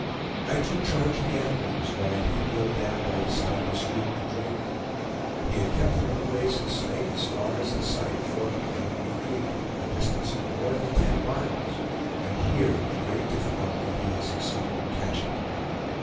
I took charge of the animals while he kneeled down by the side of the stream to drink. He had kept the runaways in sight as far as the Side Fork of Laramie Creek, a distance of more than ten miles; and here with great difficulty he had succeeded in catching them.